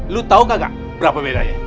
lo tau kagak berapa bedanya